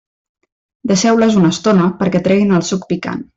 Deixeu-les una estona perquè treguin el suc picant.